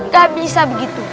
gak bisa begitu